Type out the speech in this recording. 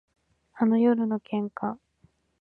あの夜の喧嘩